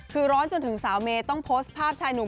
คือร้อนจนถึงสาวเมย์ต้องโพสต์ภาพชายหนุ่ม